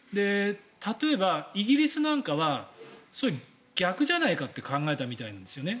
例えば、イギリスなんかは逆じゃないかって考えたみたいなんですよね。